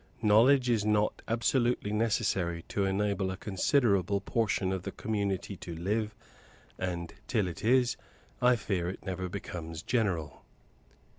Knowledge is not absolutely necessary to enable a considerable portion of the community to live; and, till it is, I fear it never becomes general.